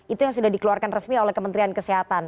itu yang sudah dikeluarkan resmi oleh kementerian kesehatan